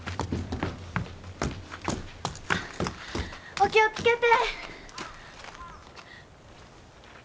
お気を付けて！